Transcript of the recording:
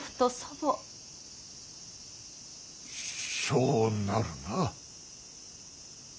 そうなるな。